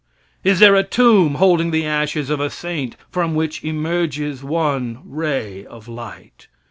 Is there a tomb holding the ashes of a saint from which emerges one ray of light?